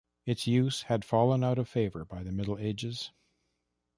Its use had fallen out of favour by the Middle Ages.